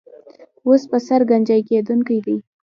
اوس پر سر ګنجۍ کېدونکی دی.